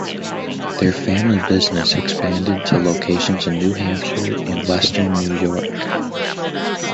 Their family business expanded to locations in New Hampshire and western New York.